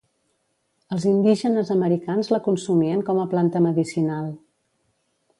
Els indígenes americans la consumien com a planta medicinal.